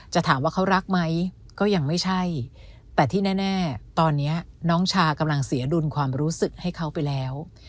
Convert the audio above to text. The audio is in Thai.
ถามว่าเขารักไหมก็ยังไม่ใช่แต่ที่แน่ตอนนี้น้องชากำลังเสียดุลความรู้สึกให้เขาไปแล้ว